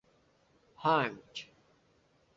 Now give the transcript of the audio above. Hunt.